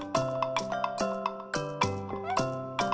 kumat dia resenya